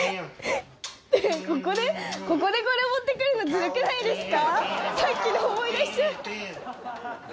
ここでこれ持ってくるのずるくないですか？